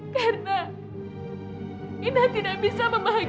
karena inah tidak bisa membahagiakan aku